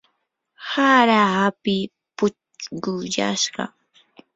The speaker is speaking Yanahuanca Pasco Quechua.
hara api puchquyashqa.